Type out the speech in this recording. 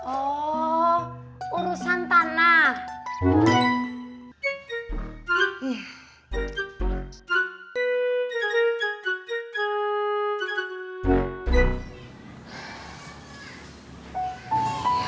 oh urusan tanah